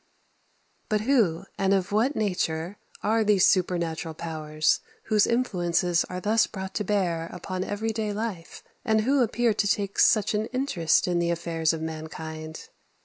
14. But who, and of what nature, are these supernatural powers whose influences are thus brought to bear upon every day life, and who appear to take such an interest in the affairs of mankind?